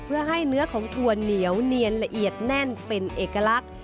เพื่อให้เนื้อของถั่วเหนียวเนียนละเอียดแน่นเป็นเอกลักษณ์